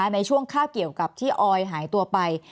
ในช่วงค่าเกี่ยวกับที่ออยหายตัวไป